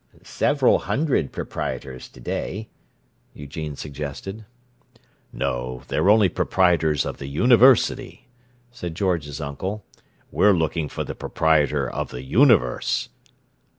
"Several hundred proprietors today," Eugene suggested. "No; they're only proprietors of the university," said George's uncle. "We're looking for the proprietor of the universe."